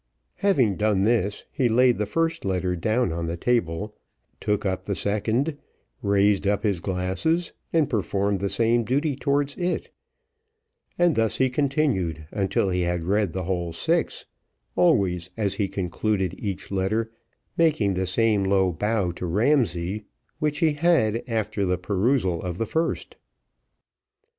Having done this, he laid the first letter down on the table, took up the second, raised up his glasses, and performed the same duty towards it, and thus he continued until he had read the whole six; always, as he concluded each letter, making the same low bow to Ramsay which he had after the perusal of the first.